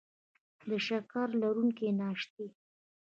د شکرې لرونکي ناشتې